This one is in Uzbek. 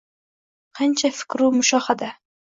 Qancha fikru mushohada.